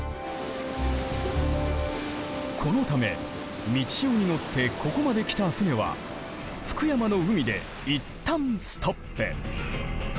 このため満ち潮に乗ってここまで来た船は福山の海でいったんストップ。